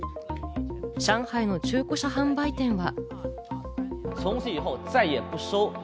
上海の中古車販売店は。